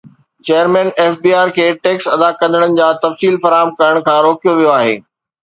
chairman F B R کي tax ادا ڪندڙن جا تفصيل فراهم ڪرڻ کان روڪيو ويو آهي